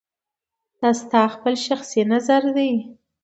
دا ستا خپل شخصي نظر دی